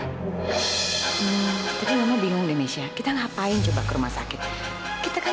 hasilnya tidak cocok kan